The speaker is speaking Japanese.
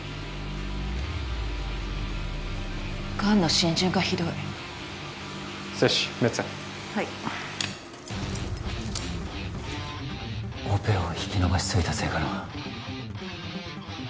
癌の浸潤がひどいセッシメッツェンはいオペを引き延ばしすぎたせいかな